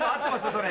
それ。